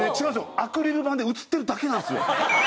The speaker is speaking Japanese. アクリル板で映ってるだけなんですよ。